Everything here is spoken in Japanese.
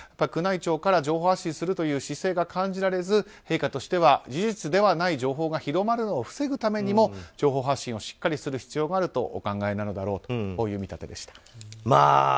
宮内庁から情報発信するという姿勢が感じられず、陛下としては事実ではない情報が広まるのを防ぐためにも情報発信をしっかりする必要があるとお考えなのだろうとこういう見立てでした。